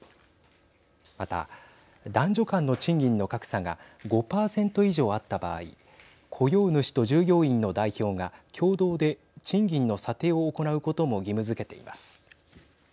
また、男女間の賃金の格差が５％以上あった場合雇用主と従業員の代表が共同で賃金の査定を行うことも義務づけています。